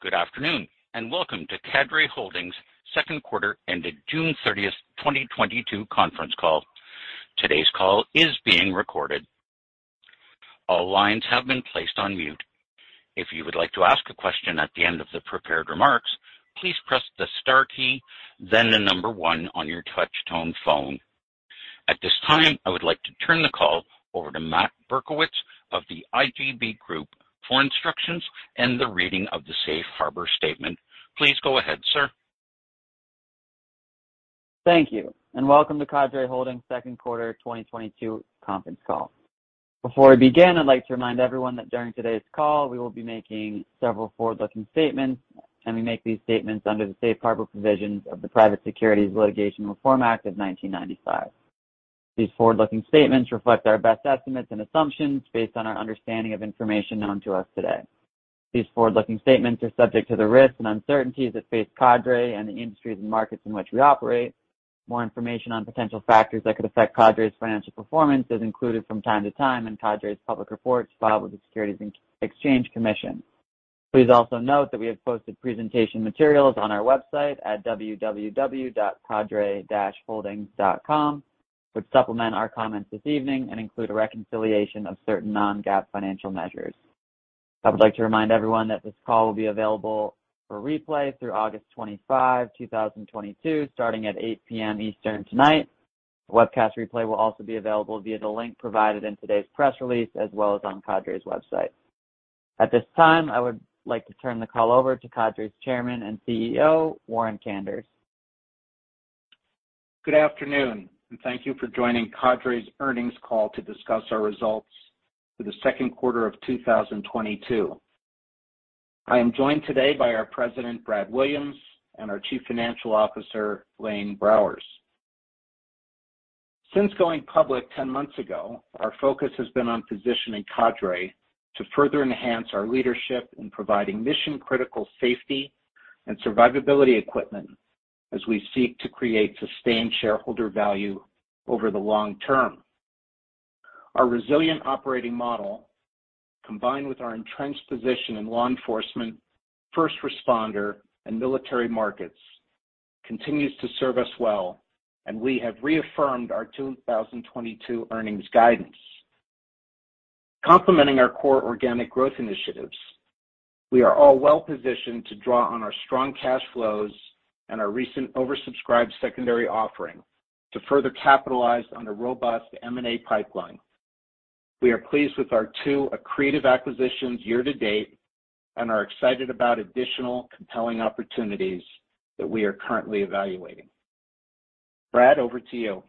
Good afternoon, and welcome to Cadre Holdings second quarter ended June 30th, 2022 conference call. Today's call is being recorded. All lines have been placed on mute. If you would like to ask a question at the end of the prepared remarks, please press the star key, then the number 1 on your touch tone phone. At this time, I would like to turn the call over to Matt Berkowitz of the IGB Group for instructions and the reading of the safe harbor statement. Please go ahead, sir. Thank you. Welcome to Cadre Holdings second quarter 2022 conference call. Before we begin, I'd like to remind everyone that during today's call, we will be making several forward-looking statements, and we make these statements under the safe harbor provisions of the Private Securities Litigation Reform Act of 1995. These forward-looking statements reflect our best estimates and assumptions based on our understanding of information known to us today. These forward-looking statements are subject to the risks and uncertainties that face Cadre and the industries and markets in which we operate. More information on potential factors that could affect Cadre's financial performance is included from time to time in Cadre's public reports filed with the Securities and Exchange Commission. Please also note that we have posted presentation materials on our website at www.cadre-holdings.com, which supplement our comments this evening and include a reconciliation of certain non-GAAP financial measures. I would like to remind everyone that this call will be available for replay through August 25, 2022, starting at 8 P.M. Eastern tonight. The webcast replay will also be available via the link provided in today's press release, as well as on Cadre's website. At this time, I would like to turn the call over to Cadre's Chairman and CEO, Warren Kanders. Good afternoon, and thank you for joining Cadre's earnings call to discuss our results for the second quarter of 2022. I am joined today by our president, Brad Williams, and our chief financial officer, Blaine Browers. Since going public 10 months ago, our focus has been on positioning Cadre to further enhance our leadership in providing mission-critical safety and survivability equipment as we seek to create sustained shareholder value over the long term. Our resilient operating model, combined with our entrenched position in law enforcement, first responder, and military markets, continues to serve us well, and we have reaffirmed our 2022 earnings guidance. Complementing our core organic growth initiatives, we are all well-positioned to draw on our strong cash flows and our recent oversubscribed secondary offering to further capitalize on a robust M&A pipeline. We are pleased with our 2 accretive acquisitions year to date and are excited about additional compelling opportunities that we are currently evaluating. Brad, over to you.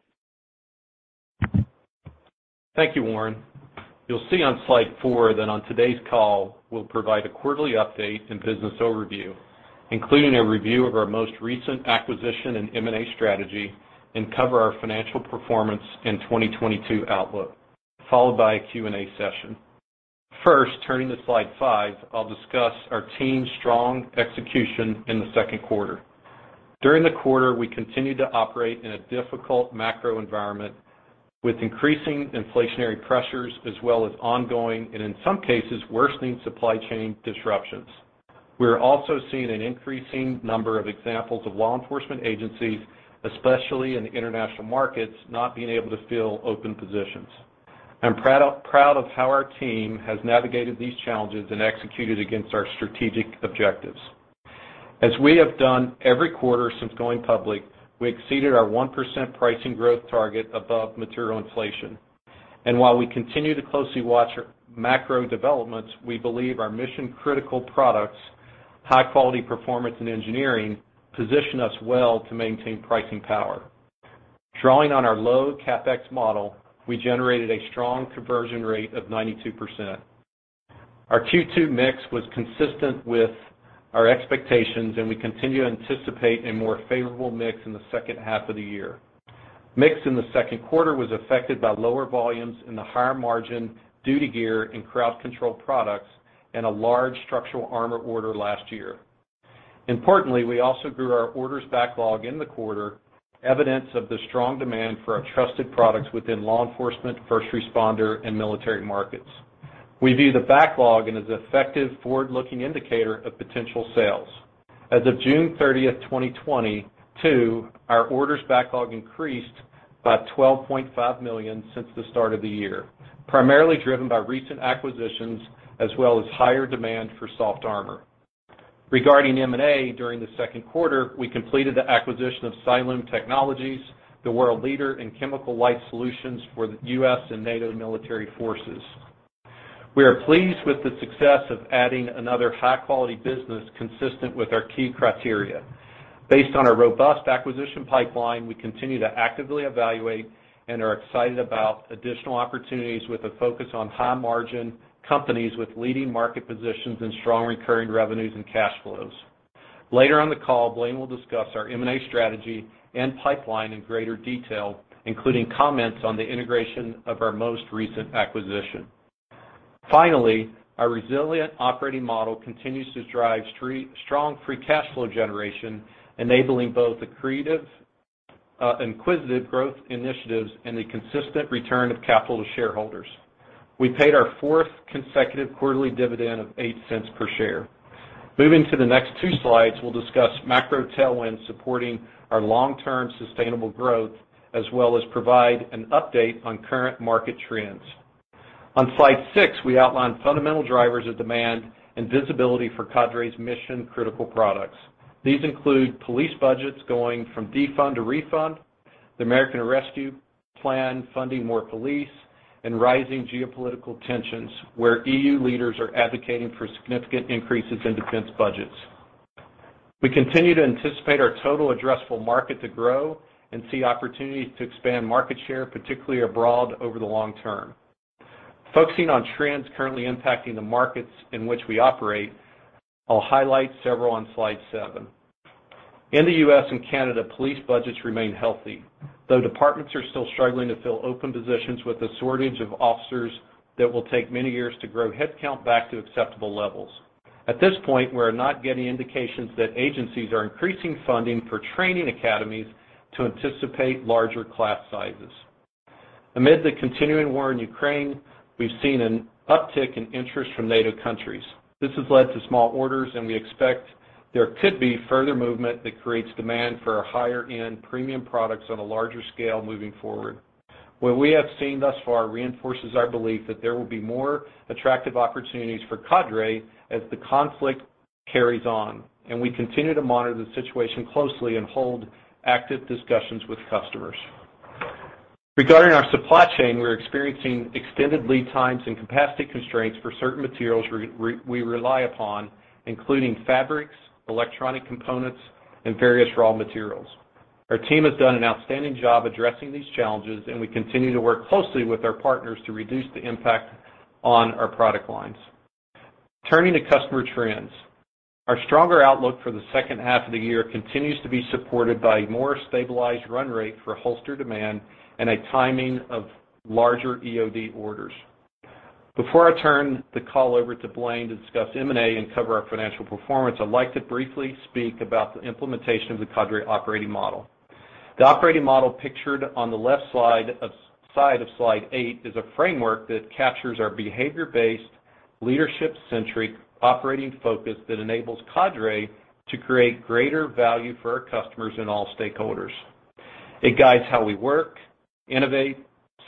Thank you, Warren. You'll see on slide 4 that on today's call, we'll provide a quarterly update and business overview, including a review of our most recent acquisition and M&A strategy and cover our financial performance and 2022 outlook, followed by a Q&A session. First, turning to slide 5, I'll discuss our team's strong execution in the second quarter. During the quarter, we continued to operate in a difficult macro environment with increasing inflationary pressures as well as ongoing, and in some cases, worsening supply chain disruptions. We are also seeing an increasing number of examples of law enforcement agencies, especially in the international markets, not being able to fill open positions. I'm proud of how our team has navigated these challenges and executed against our strategic objectives. As we have done every quarter since going public, we exceeded our 1% pricing growth target above material inflation. While we continue to closely watch macro developments, we believe our mission-critical products, high-quality performance, and engineering position us well to maintain pricing power. Drawing on our low CapEx model, we generated a strong conversion rate of 92%. Our Q2 mix was consistent with our expectations, and we continue to anticipate a more favorable mix in the second half of the year. Mix in the second quarter was affected by lower volumes in the higher margin duty gear and crowd control products and a large structural armor order last year. Importantly, we also grew our orders backlog in the quarter, evidence of the strong demand for our trusted products within law enforcement, first responder, and military markets. We view the backlog and as an effective forward-looking indicator of potential sales. As of June 30, 2022, our orders backlog increased by $12.5 million since the start of the year, primarily driven by recent acquisitions as well as higher demand for soft armor. Regarding M&A, during the second quarter, we completed the acquisition of Cyalume Technologies, the world leader in chemical light solutions for U.S. and NATO military forces. We are pleased with the success of adding another high-quality business consistent with our key criteria. Based on our robust acquisition pipeline, we continue to actively evaluate and are excited about additional opportunities with a focus on high-margin companies with leading market positions and strong recurring revenues and cash flows. Later on the call, Blaine will discuss our M&A strategy and pipeline in greater detail, including comments on the integration of our most recent acquisition. Finally, our resilient operating model continues to drive strong free cash flow generation, enabling both accretive, acquisitive growth initiatives and the consistent return of capital to shareholders. We paid our fourth consecutive quarterly dividend of $0.08 per share. Moving to the next two slides, we'll discuss macro tailwinds supporting our long-term sustainable growth, as well as provide an update on current market trends. On slide 6, we outlined fundamental drivers of demand and visibility for Cadre's mission-critical products. These include police budgets going from defund to refund, the American Rescue Plan funding more police, and rising geopolitical tensions where EU leaders are advocating for significant increases in defense budgets. We continue to anticipate our total addressable market to grow and see opportunities to expand market share, particularly abroad over the long term. Focusing on trends currently impacting the markets in which we operate, I'll highlight several on slide seven. In the U.S. and Canada, police budgets remain healthy, though departments are still struggling to fill open positions with a shortage of officers that will take many years to grow headcount back to acceptable levels. At this point, we're not getting indications that agencies are increasing funding for training academies to anticipate larger class sizes. Amid the continuing war in Ukraine, we've seen an uptick in interest from NATO countries. This has led to small orders, and we expect there could be further movement that creates demand for our higher-end premium products on a larger scale moving forward. What we have seen thus far reinforces our belief that there will be more attractive opportunities for Cadre as the conflict carries on, and we continue to monitor the situation closely and hold active discussions with customers. Regarding our supply chain, we're experiencing extended lead times and capacity constraints for certain materials we rely upon, including fabrics, electronic components, and various raw materials. Our team has done an outstanding job addressing these challenges, and we continue to work closely with our partners to reduce the impact on our product lines. Turning to customer trends. Our stronger outlook for the second half of the year continues to be supported by a more stabilized run rate for holster demand and a timing of larger EOD orders. Before I turn the call over to Blaine to discuss M&A and cover our financial performance, I'd like to briefly speak about the implementation of the Cadre operating model. The operating model pictured on the left side of slide eight is a framework that captures our behavior-based, leadership-centric operating focus that enables Cadre to create greater value for our customers and all stakeholders. It guides how we work, innovate,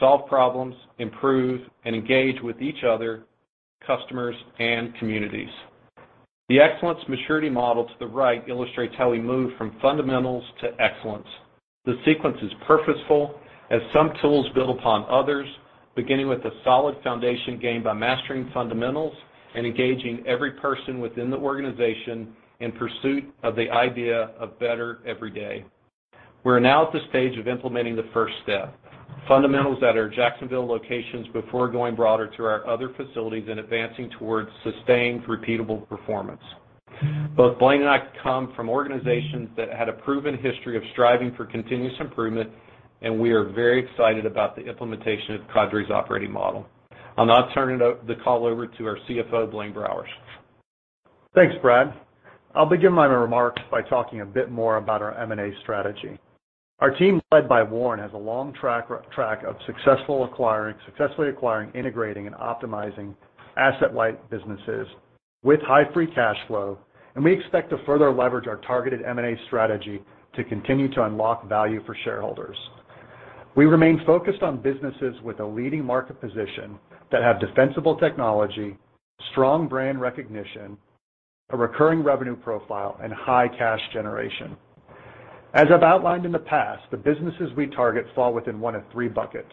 solve problems, improve, and engage with each other, customers, and communities. The excellence maturity model to the right illustrates how we move from fundamentals to excellence. The sequence is purposeful, as some tools build upon others, beginning with a solid foundation gained by mastering fundamentals and engaging every person within the organization in pursuit of the idea of better every day. We're now at the stage of implementing the first step, fundamentals at our Jacksonville locations before going broader to our other facilities and advancing towards sustained repeatable performance. Both Blaine and I come from organizations that had a proven history of striving for continuous improvement, and we are very excited about the implementation of Cadre's operating model. I'll now turn the call over to our CFO, Blaine Browers. Thanks, Brad. I'll begin my remarks by talking a bit more about our M&A strategy. Our team, led by Warren, has a long track record of successfully acquiring, integrating, and optimizing asset-light businesses with high free cash flow, and we expect to further leverage our targeted M&A strategy to continue to unlock value for shareholders. We remain focused on businesses with a leading market position that have defensible technology, strong brand recognition, a recurring revenue profile, and high cash generation. As I've outlined in the past, the businesses we target fall within one of three buckets.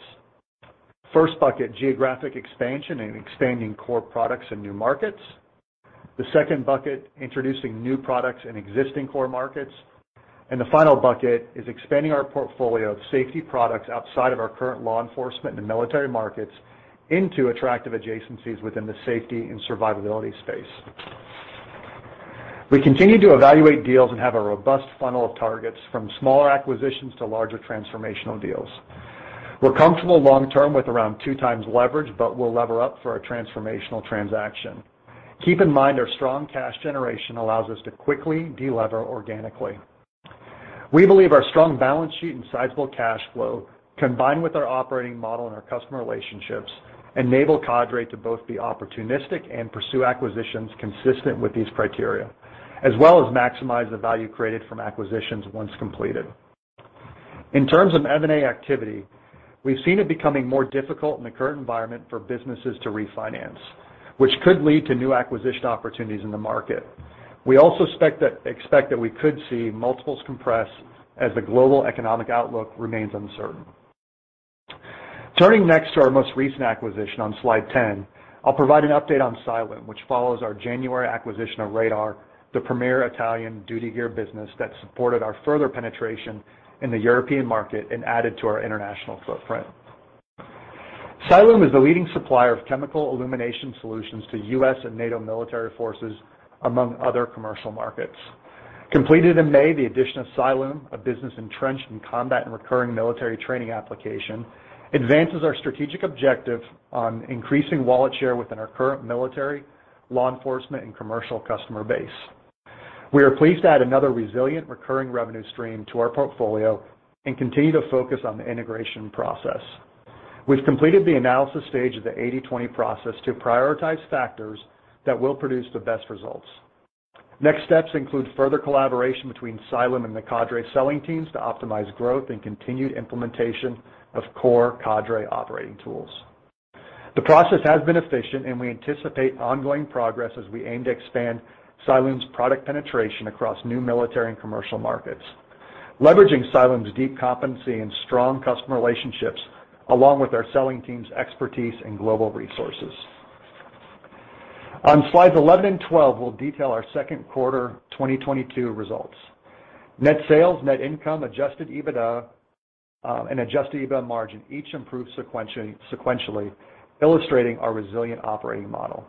First bucket, geographic expansion and expanding core products in new markets. The second bucket, introducing new products in existing core markets. The final bucket is expanding our portfolio of safety products outside of our current law enforcement and military markets into attractive adjacencies within the safety and survivability space. We continue to evaluate deals and have a robust funnel of targets from smaller acquisitions to larger transformational deals. We're comfortable long term with around 2x leverage, but we'll lever up for a transformational transaction. Keep in mind our strong cash generation allows us to quickly delever organically. We believe our strong balance sheet and sizable cash flow, combined with our operating model and our customer relationships, enable Cadre to both be opportunistic and pursue acquisitions consistent with these criteria, as well as maximize the value created from acquisitions once completed. In terms of M&A activity, we've seen it becoming more difficult in the current environment for businesses to refinance, which could lead to new acquisition opportunities in the market. We also expect that we could see multiples compress as the global economic outlook remains uncertain. Turning next to our most recent acquisition on slide 10, I'll provide an update on Cyalume, which follows our January acquisition of Radar, the premier Italian duty gear business that supported our further penetration in the European market and added to our international footprint. Cyalume is the leading supplier of chemical illumination solutions to U.S. and NATO military forces, among other commercial markets. Completed in May, the addition of Cyalume, a business entrenched in combat and recurring military training application, advances our strategic objective on increasing wallet share within our current military, law enforcement, and commercial customer base. We are pleased to add another resilient recurring revenue stream to our portfolio and continue to focus on the integration process. We've completed the analysis stage of the 80/20 process to prioritize factors that will produce the best results. Next steps include further collaboration between Cyalume and the Cadre selling teams to optimize growth and continued implementation of core Cadre operating tools. The process has been efficient, and we anticipate ongoing progress as we aim to expand Cyalume's product penetration across new military and commercial markets, leveraging Cyalume's deep competency and strong customer relationships, along with our selling team's expertise and global resources. On Slides 11 and 12, we'll detail our second quarter 2022 results. Net sales, net income, adjusted EBITDA, and adjusted EBITDA margin each improved sequentially, illustrating our resilient operating model.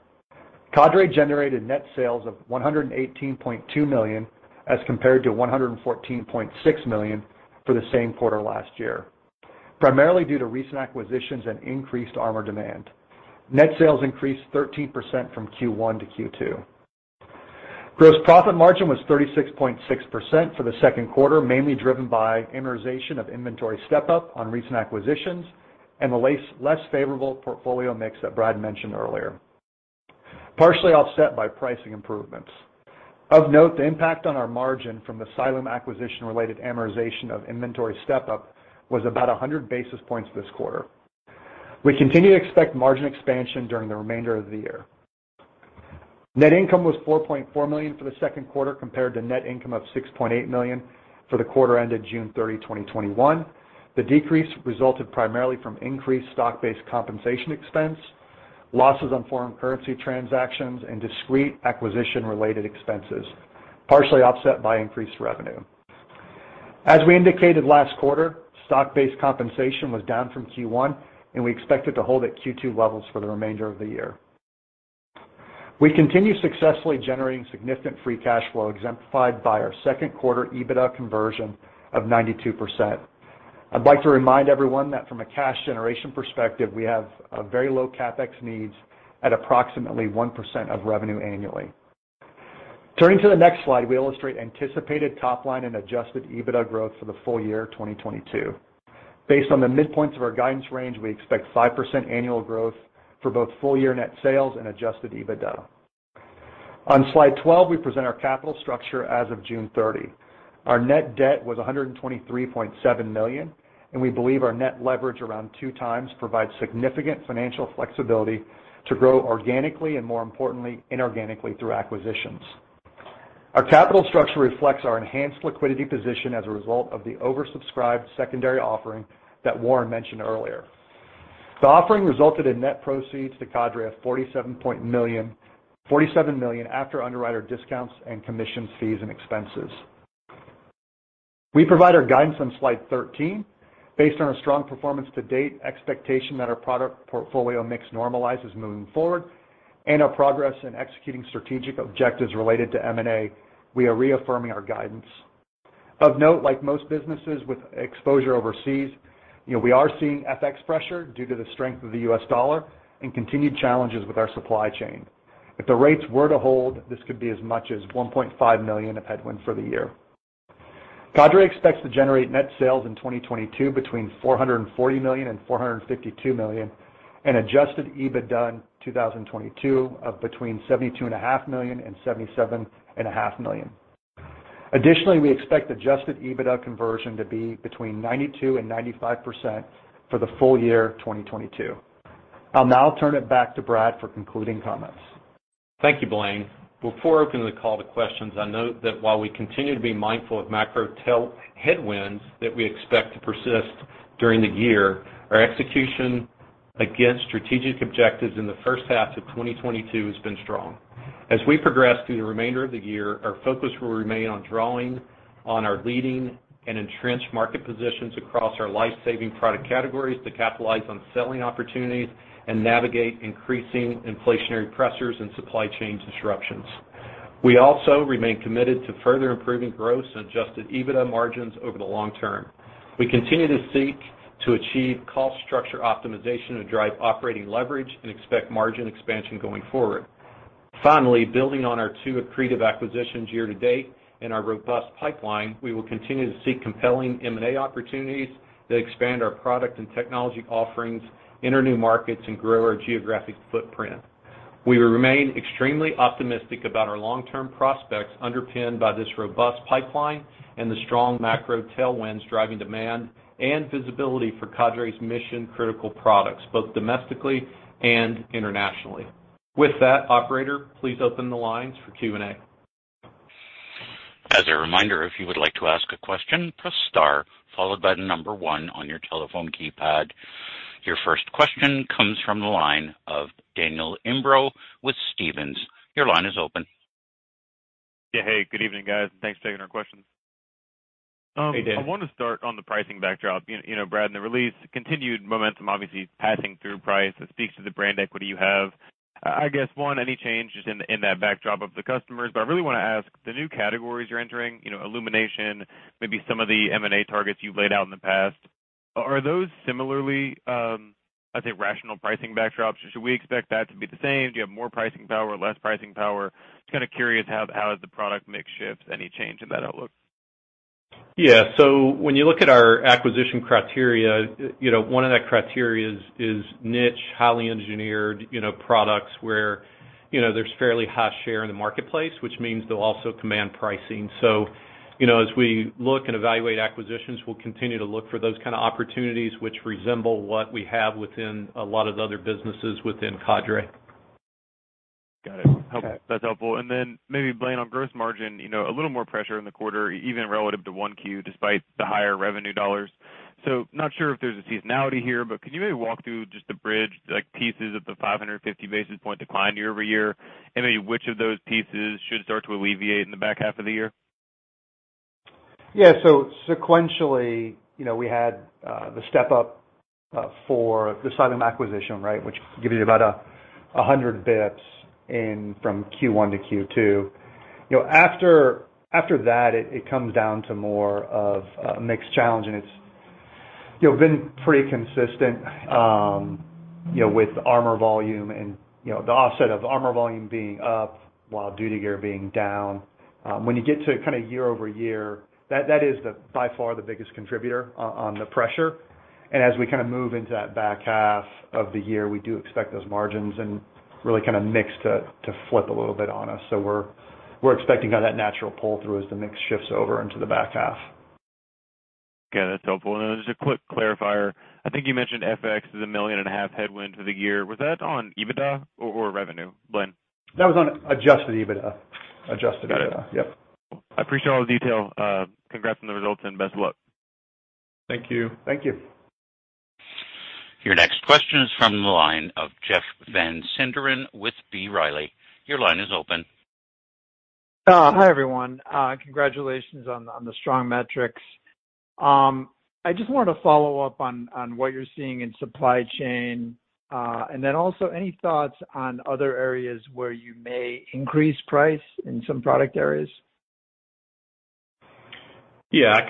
Cadre generated net sales of $118.2 million, as compared to $114.6 million for the same quarter last year, primarily due to recent acquisitions and increased armor demand. Net sales increased 13% from Q1 to Q2. Gross profit margin was 36.6% for the second quarter, mainly driven by amortization of inventory step-up on recent acquisitions and the less favorable portfolio mix that Brad mentioned earlier, partially offset by pricing improvements. Of note, the impact on our margin from the Cyalume acquisition-related amortization of inventory step-up was about 100 basis points this quarter. We continue to expect margin expansion during the remainder of the year. Net income was $4.4 million for the second quarter compared to net income of $6.8 million for the quarter ended June 30, 2021. The decrease resulted primarily from increased stock-based compensation expense, losses on foreign currency transactions, and discrete acquisition-related expenses, partially offset by increased revenue. As we indicated last quarter, stock-based compensation was down from Q1, and we expect it to hold at Q2 levels for the remainder of the year. We continue successfully generating significant free cash flow exemplified by our second quarter EBITDA conversion of 92%. I'd like to remind everyone that from a cash generation perspective, we have very low CapEx needs at approximately 1% of revenue annually. Turning to the next slide, we illustrate anticipated top line and adjusted EBITDA growth for the full year 2022. Based on the midpoints of our guidance range, we expect 5% annual growth for both full year net sales and adjusted EBITDA. On Slide 12, we present our capital structure as of June 30. Our net debt was $123.7 million, and we believe our net leverage around 2x provides significant financial flexibility to grow organically and, more importantly, inorganically through acquisitions. Our capital structure reflects our enhanced liquidity position as a result of the oversubscribed secondary offering that Warren mentioned earlier. The offering resulted in net proceeds to Cadre of $47 million after underwriter discounts and commissions, fees, and expenses. We provide our guidance on Slide 13. Based on our strong performance to date, expectation that our product portfolio mix normalizes moving forward, and our progress in executing strategic objectives related to M&A, we are reaffirming our guidance. Of note, like most businesses with exposure overseas, you know, we are seeing FX pressure due to the strength of the US dollar and continued challenges with our supply chain. If the rates were to hold, this could be as much as $1.5 million of headwind for the year. Cadre expects to generate net sales in 2022 between $440 million and $452 million, and adjusted EBITDA in 2022 of between $72.5 million and $77.5 million. Additionally, we expect adjusted EBITDA conversion to be between 92% and 95% for the full year 2022. I'll now turn it back to Brad for concluding comments. Thank you, Blaine. Before opening the call to questions, I note that while we continue to be mindful of macro headwinds that we expect to persist during the year, our execution against strategic objectives in the first half of 2022 has been strong. As we progress through the remainder of the year, our focus will remain on drawing on our leading and entrenched market positions across our life-saving product categories to capitalize on selling opportunities and navigate increasing inflationary pressures and supply chain disruptions. We also remain committed to further improving gross and adjusted EBITDA margins over the long term. We continue to seek to achieve cost structure optimization to drive operating leverage and expect margin expansion going forward. Finally, building on our two accretive acquisitions year to date and our robust pipeline, we will continue to seek compelling M&A opportunities that expand our product and technology offerings, enter new markets, and grow our geographic footprint. We remain extremely optimistic about our long-term prospects underpinned by this robust pipeline and the strong macro tailwinds driving demand and visibility for Cadre's mission-critical products, both domestically and internationally. With that, operator, please open the lines for Q&A. As a reminder, if you would like to ask a question, press star followed by the number one on your telephone keypad. Your first question comes from the line of Daniel Imbro with Stephens. Your line is open. Yeah. Hey, good evening, guys. Thanks for taking our questions. Hey, Daniel. I want to start on the pricing backdrop. You know, Brad, in the release, continued momentum obviously passing through price that speaks to the brand equity you have. I guess, one, any changes in that backdrop of the customers? I really wanna ask, the new categories you're entering, you know, illumination, maybe some of the M&A targets you've laid out in the past. Are those similarly as a rational pricing backdrops? Should we expect that to be the same? Do you have more pricing power, less pricing power? Just kind of curious how the product mix shifts, any change in that outlook. Yeah. When you look at our acquisition criteria, you know, one of that criteria is niche, highly engineered, you know, products where, you know, there's fairly high share in the marketplace, which means they'll also command pricing. You know, as we look and evaluate acquisitions, we'll continue to look for those kind of opportunities which resemble what we have within a lot of the other businesses within Cadre. Got it. Okay. That's helpful. Maybe, Blaine, on gross margin, you know, a little more pressure in the quarter even relative to 1Q despite the higher revenue dollars. Not sure if there's a seasonality here, but could you maybe walk through just the bridge, like, pieces of the 550 basis point decline year-over-year? Maybe which of those pieces should start to alleviate in the back half of the year? Yeah. Sequentially, you know, we had the step-up for the Cyalume acquisition, right, which gives you about 100 basis points from Q1 to Q2. You know, after that, it comes down to more of a mix challenge, and it's, you know, been pretty consistent, you know, with armor volume and, you know, the offset of armor volume being up while duty gear being down. When you get to kind of year-over-year, that is by far the biggest contributor on the pressure. As we kind of move into that back half of the year, we do expect those margins and really kind of mix to flip a little bit on us. We're expecting on that natural pull-through as the mix shifts over into the back half. Okay, that's helpful. Just a quick clarifier. I think you mentioned FX is a $1.5 million headwind for the year. Was that on EBITDA or revenue, Blaine? That was on adjusted EBITDA. Adjusted EBITDA. Got it. Yep. I appreciate all the detail. Congrats on the results and best of luck. Thank you. Thank you. Your next question is from the line of Jeff Van Sinderen with B. Riley. Your line is open. Hi, everyone. Congratulations on the strong metrics. I just wanted to follow up on what you're seeing in supply chain. Also any thoughts on other areas where you may increase price in some product areas? Yeah, I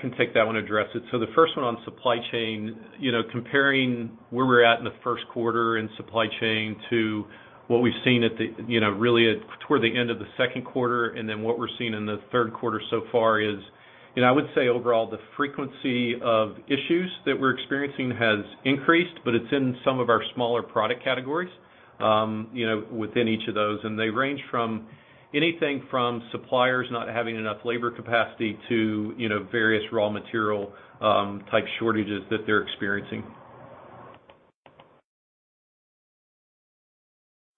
can take that one and address it. The first one on supply chain, you know, comparing where we're at in the first quarter in supply chain to what we've seen at the, you know, really toward the end of the second quarter and then what we're seeing in the third quarter so far is, you know, I would say overall, the frequency of issues that we're experiencing has increased, but it's in some of our smaller product categories, you know, within each of those. They range from anything from suppliers not having enough labor capacity to, you know, various raw material type shortages that they're experiencing.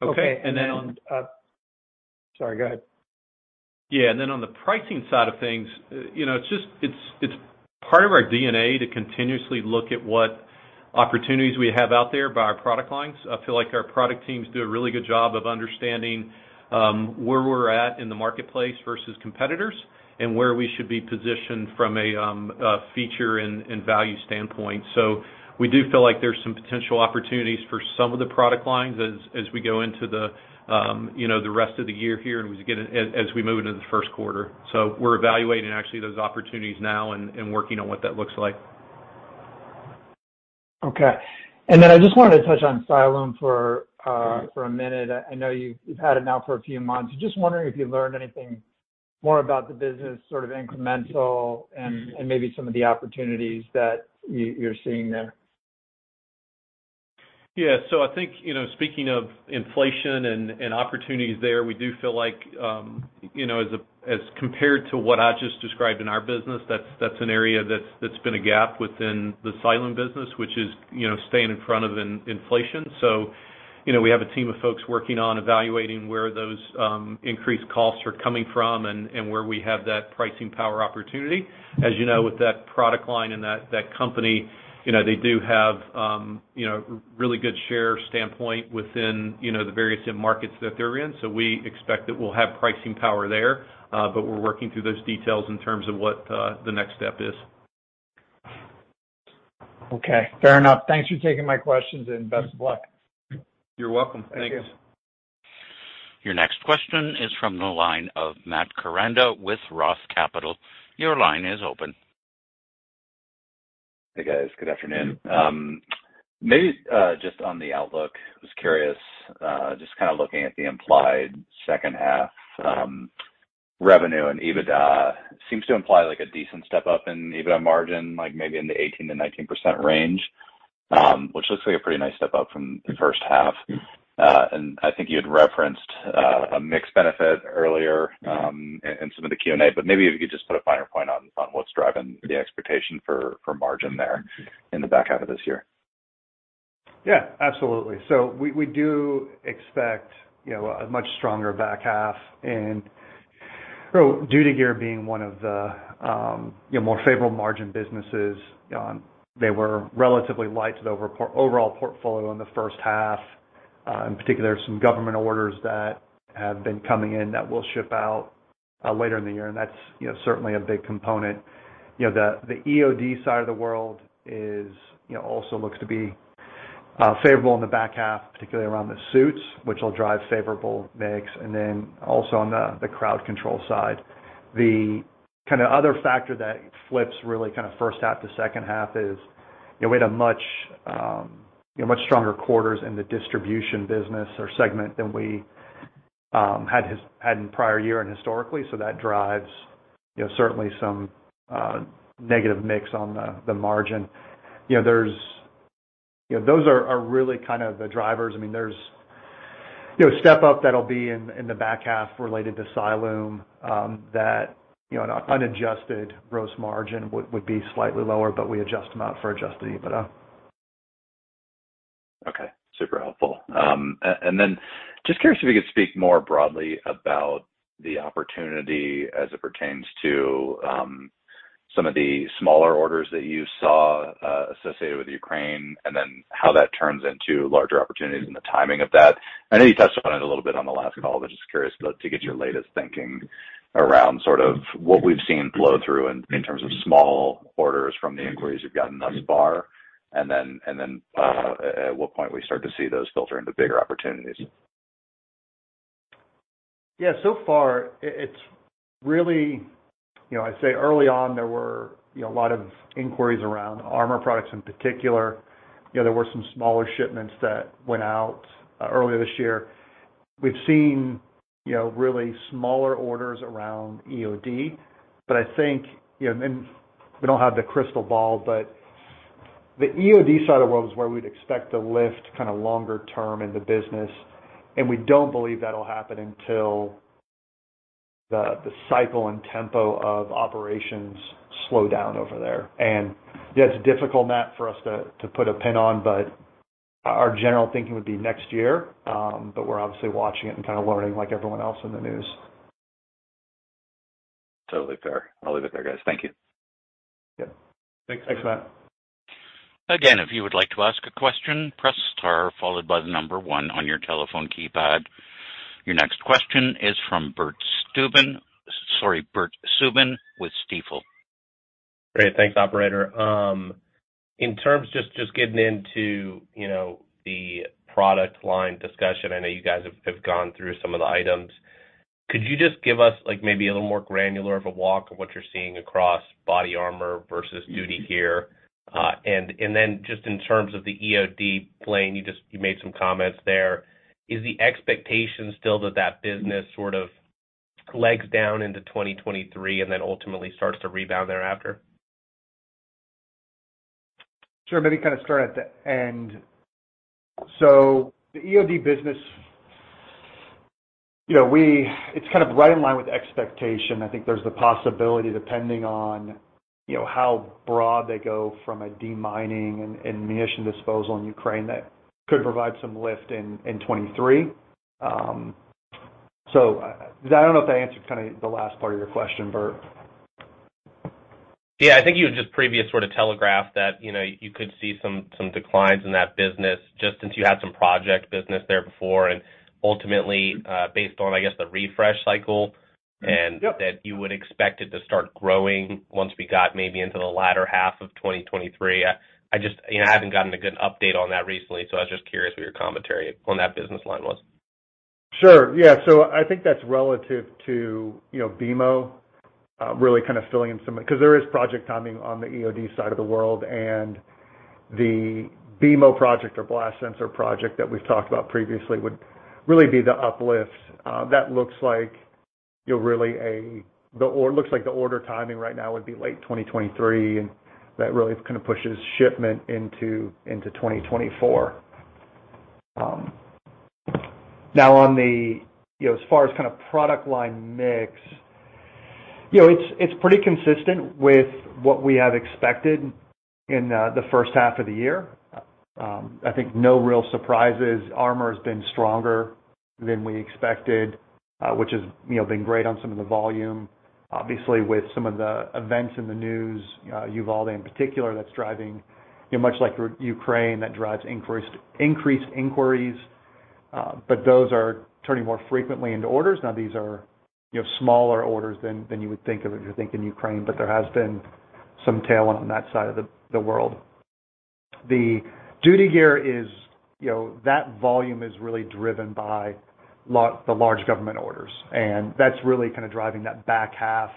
Okay. Okay. Sorry, go ahead. Yeah. Then on the pricing side of things, you know, it's just it's part of our DNA to continuously look at what opportunities we have out there by our product lines. I feel like our product teams do a really good job of understanding where we're at in the marketplace versus competitors and where we should be positioned from a feature and value standpoint. We do feel like there's some potential opportunities for some of the product lines as we go into you know, the rest of the year here as we move into the first quarter. We're evaluating actually those opportunities now and working on what that looks like. Okay. I just wanted to touch on Cyalume for a minute. I know you've had it now for a few months. Just wondering if you learned anything more about the business, sort of incremental and maybe some of the opportunities that you're seeing there. Yeah. I think, you know, speaking of inflation and opportunities there, we do feel like, you know, as compared to what Ajit described in our business, that's an area that's been a gap within the Cyalume business, which is, you know, staying in front of inflation. We have a team of folks working on evaluating where those increased costs are coming from and where we have that pricing power opportunity. As you know, with that product line and that company, you know, they do have, you know, really good share standpoint within, you know, the various end markets that they're in. We expect that we'll have pricing power there, but we're working through those details in terms of what the next step is. Okay. Fair enough. Thanks for taking my questions and best of luck. You're welcome. Thanks. Thank you. Your next question is from the line of Matt Koranda with ROTH Capital. Your line is open. Hey, guys. Good afternoon. Maybe just on the outlook, I was curious, just kind of looking at the implied second half revenue and EBITDA seems to imply like a decent step-up in EBITDA margin, like maybe in the 18%-19% range, which looks like a pretty nice step-up from the first half. I think you had referenced a mixed benefit earlier in some of the Q&A, but maybe if you could just put a finer point on what's driving the expectation for margin there in the back half of this year. Yeah, absolutely. We do expect, you know, a much stronger back half. Duty Gear being one of the, you know, more favorable margin businesses. They were relatively light to the overall portfolio in the first half, in particular, some government orders that have been coming in that will ship out, later in the year, and that's, you know, certainly a big component. You know, the EOD side of the world is, you know, also looks to be Favorable in the back half, particularly around the suits, which will drive favorable mix. Then also on the crowd control side. The kinda other factor that flips really kinda first half to second half is, you know, we had much stronger quarters in the distribution business or segment than we had in prior year and historically. That drives, you know, certainly some negative mix on the margin. You know, those are really kind of the drivers. I mean, there's, you know, step up that'll be in the back half related to Cyalume, that, you know, on unadjusted gross margin would be slightly lower, but we adjust amount for adjusted EBITDA. Okay. Super helpful. And then just curious if you could speak more broadly about the opportunity as it pertains to some of the smaller orders that you saw associated with Ukraine, and then how that turns into larger opportunities and the timing of that. I know you touched on it a little bit on the last call, but just curious to get your latest thinking around sort of what we've seen flow through in terms of small orders from the inquiries you've gotten thus far. Then at what point we start to see those filter into bigger opportunities. Yeah. So far it's really, you know, I'd say early on there were, you know, a lot of inquiries around armor products in particular. You know, there were some smaller shipments that went out earlier this year. We've seen, you know, really smaller orders around EOD. I think, you know, and we don't have the crystal ball, but the EOD side of the world is where we'd expect to lift kinda longer term in the business, and we don't believe that'll happen until the cycle and tempo of operations slow down over there. Yeah, it's difficult, Matt, for us to put a pin on, but our general thinking would be next year. We're obviously watching it and kinda learning like everyone else in the news. Totally fair. I'll leave it there, guys. Thank you. Yeah. Thanks, Matt. Again, if you would like to ask a question, press star followed by the number one on your telephone keypad. Your next question is from Bert Stubin. Sorry, Bert Subin with Stifel. Great. Thanks, operator. In terms just getting into, you know, the product line discussion, I know you guys have gone through some of the items. Could you just give us like maybe a little more granular of a walk of what you're seeing across body armor versus duty gear? Just in terms of the EOD plan, you just made some comments there. Is the expectation still that business sort of legs down into 2023 and then ultimately starts to rebound thereafter? Sure. Maybe kind of start at the end. The EOD business, you know, it's kind of right in line with expectation. I think there's the possibility, depending on, you know, how broad they go from a demining and munition disposal in Ukraine that could provide some lift in 2023. I don't know if that answered kind of the last part of your question, Bert. Yeah. I think you had just previous sort of telegraphed that, you know, you could see some declines in that business just since you had some project business there before. Ultimately, based on, I guess, the refresh cycle. Yep. that you would expect it to start growing once we got maybe into the latter half of 2023. I just, you know, I haven't gotten a good update on that business line. Sure. Yeah. I think that's relative to, you know, BEMO, really kind of filling in some. Because there is project timing on the EOD side of the world, and the BEMO project or blast sensor project that we've talked about previously would really be the uplift. That looks like, you know, really the order timing right now would be late 2023, and that really kind of pushes shipment into 2024. Now on the, you know, as far as kind of product line mix, you know, it's pretty consistent with what we have expected in the first half of the year. I think no real surprises. Armor's been stronger than we expected, which has, you know, been great on some of the volume. Obviously, with some of the events in the news, Uvalde in particular, that's driving, you know, much like Ukraine, that drives increased inquiries. But those are turning more frequently into orders. Now, these are, you know, smaller orders than you would think of if you're thinking Ukraine, but there has been some tailwind on that side of the world. The duty gear is, you know, that volume is really driven by the large government orders, and that's really kinda driving that back half,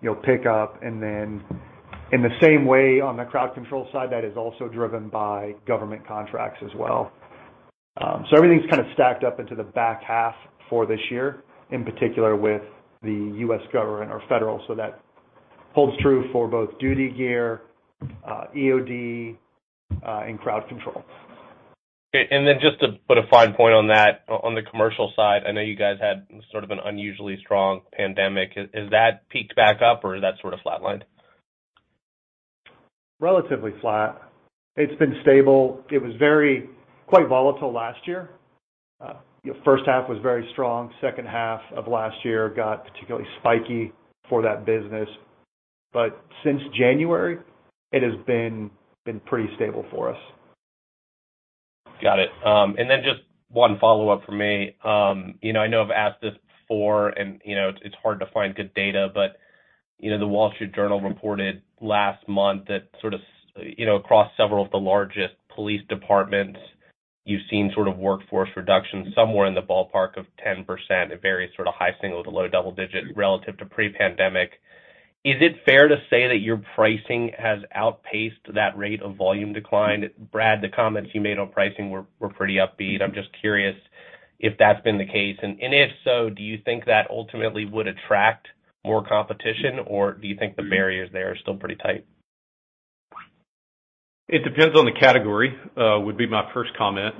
you know, pickup. In the same way, on the crowd control side, that is also driven by government contracts as well. Everything's kinda stacked up into the back half for this year, in particular with the U.S. government or federal. That holds true for both duty gear, EOD, and crowd control. Okay. Then just to put a fine point on that, on the commercial side, I know you guys had sort of an unusually strong pandemic. Has that peaked back up or has that sort of flatlined? Relatively flat. It's been stable. It was very quite volatile last year. You know, first half was very strong. Second half of last year got particularly spiky for that business. Since January, it has been pretty stable for us. Got it. Just one follow-up from me. You know, I know I've asked this before and, you know, it's hard to find good data. You know, The Wall Street Journal reported last month that sort of, you know, across several of the largest police departments, you've seen sort of workforce reduction somewhere in the ballpark of 10%. It varies sort of high single-digit to low double-digit relative to pre-pandemic. Is it fair to say that your pricing has outpaced that rate of volume decline? Brad, the comments you made on pricing were pretty upbeat. I'm just curious if that's been the case. If so, do you think that ultimately would attract more competition, or do you think the barriers there are still pretty tight? It depends on the category. Would be my first comment.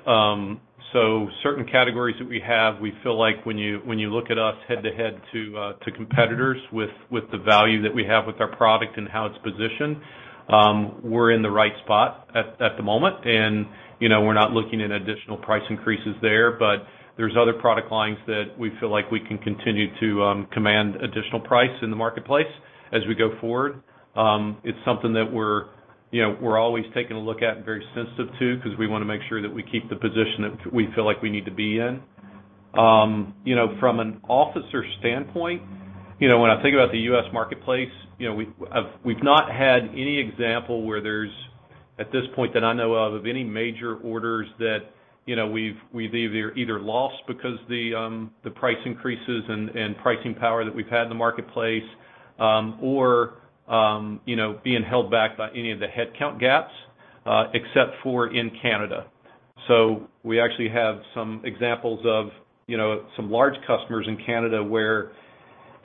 Certain categories that we have, we feel like when you look at us head to head with competitors with the value that we have with our product and how it's positioned, we're in the right spot at the moment. You know, we're not looking at additional price increases there, but there's other product lines that we feel like we can continue to command additional price in the marketplace as we go forward. It's something that we're, you know, always taking a look at and very sensitive to because we wanna make sure that we keep the position that we feel like we need to be in. You know, from an officer standpoint, when I think about the U.S. Marketplace, you know, we've not had any example where there's, at this point that I know of any major orders that, you know, we've either lost because the price increases and pricing power that we've had in the marketplace, or, you know, being held back by any of the headcount gaps, except for in Canada. We actually have some examples of, you know, some large customers in Canada where,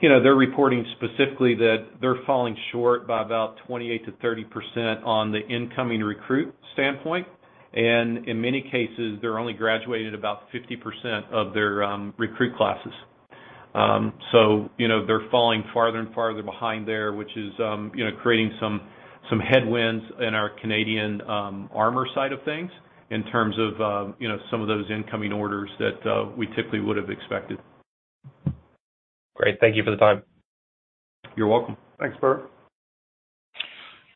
you know, they're reporting specifically that they're falling short by about 28%-30% on the incoming recruit standpoint. In many cases, they're only graduating about 50% of their recruit classes. You know, they're falling farther and farther behind there, which is, you know, creating some headwinds in our Canadian armor side of things in terms of, you know, some of those incoming orders that we typically would have expected. Great. Thank you for the time. You're welcome. Thanks, Bert.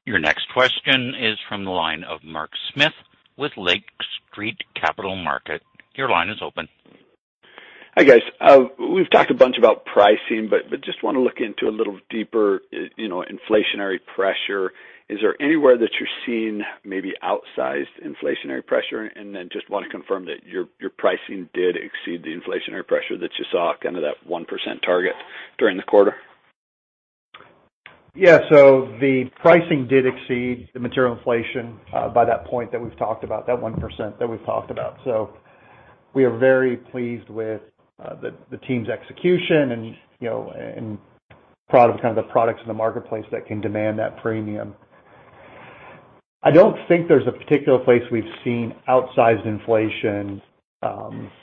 Your next question is from the line of Mark Smith with Lake Street Capital Markets. Your line is open. Hi, guys. We've talked a bunch about pricing, but just wanna look into a little deeper, you know, inflationary pressure. Is there anywhere that you're seeing maybe outsized inflationary pressure? Just wanna confirm that your pricing did exceed the inflationary pressure that you saw, kind of that 1% target during the quarter. Yeah. The pricing did exceed the material inflation by that point that we've talked about, that 1% that we've talked about. We are very pleased with the team's execution and, you know, proud of the products in the marketplace that can demand that premium. I don't think there's a particular place we've seen outsized inflation,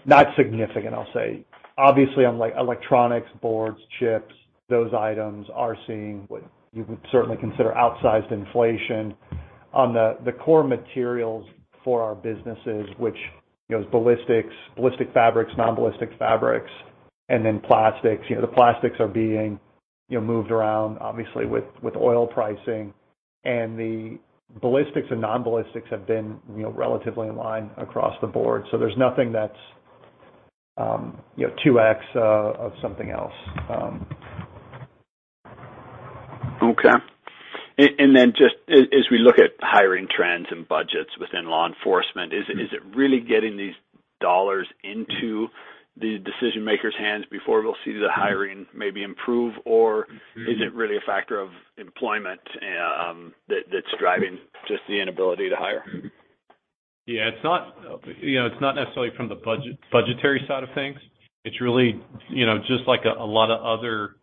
not significant, I'll say. Obviously on like electronics, boards, chips, those items are seeing what you would certainly consider outsized inflation on the core materials for our businesses, which, you know, is ballistics, ballistic fabrics, non-ballistic fabrics, and then plastics. You know, the plastics are being moved around obviously with oil pricing. The ballistics and non-ballistics have been, you know, relatively in line across the board. There's nothing that's, you know, 2x of something else. Okay. Just as we look at hiring trends and budgets within law enforcement, is it really getting these dollars into the decision-makers' hands before we'll see the hiring maybe improve? Or is it really a factor of employment, that's driving just the inability to hire? Yeah. It's not, you know, it's not necessarily from the budgetary side of things. It's really, you know, just like a lot of other,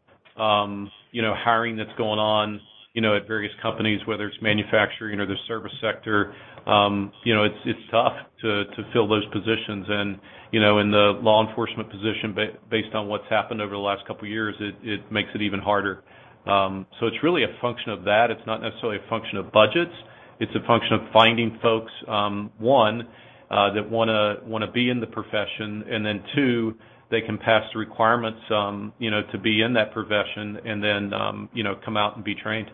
you know, hiring that's going on, you know, at various companies, whether it's manufacturing or the service sector. You know, it's tough to fill those positions. You know, in the law enforcement position, based on what's happened over the last couple of years, it makes it even harder. So it's really a function of that. It's not necessarily a function of budgets. It's a function of finding folks, one, that wanna be in the profession, and then two, they can pass the requirements, you know, to be in that profession and then, you know, come out and be trained.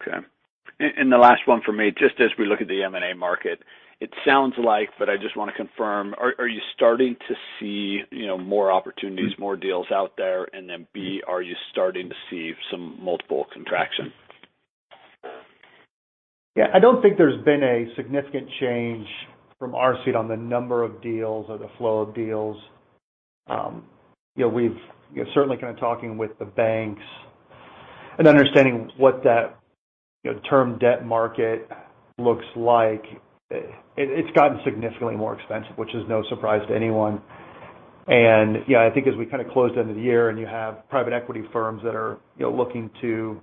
Okay. The last one for me, just as we look at the M&A market, it sounds like, but I just wanna confirm, are you starting to see, you know, more opportunities, more deals out there? And then B, are you starting to see some multiple contraction? Yeah. I don't think there's been a significant change from our seat on the number of deals or the flow of deals. You know, certainly kind of talking with the banks and understanding what that, you know, term debt market looks like, it's gotten significantly more expensive, which is no surprise to anyone. Yeah, I think as we kinda closed into the year and you have private equity firms that are, you know, looking to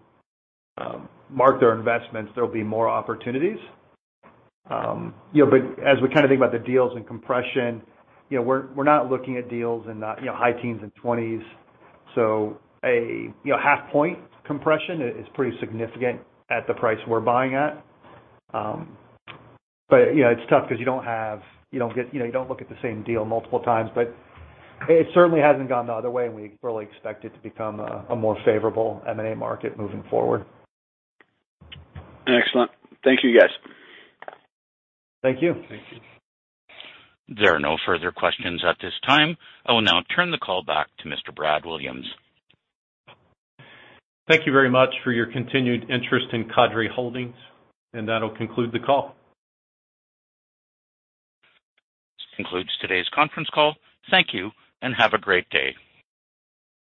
mark their investments, there'll be more opportunities. You know, but as we kinda think about the deals and compression, you know, we're not looking at deals in the, you know, high teens and twenties. You know, half point compression is pretty significant at the price we're buying at. you know, it's tough 'cause you don't get, you know, you don't look at the same deal multiple times. It certainly hasn't gone the other way, and we really expect it to become a more favorable M&A market moving forward. Excellent. Thank you, guys. Thank you. Thank you. There are no further questions at this time. I will now turn the call back to Mr. Brad Williams. Thank you very much for your continued interest in Cadre Holdings, and that'll conclude the call. This concludes today's conference call. Thank you, and have a great day.